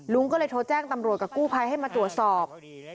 ลุงก็เลยโทรแจ้งตำรวจกับกู้ภัยให้มาตรวจสอบ